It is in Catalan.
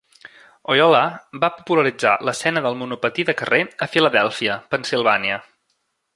Oyola va popularitzar l'escena del monopatí de carrer a Filadèlfia, Pennsilvània.